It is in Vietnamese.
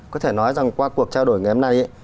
có thể nói rằng qua cuộc trao đổi ngày hôm nay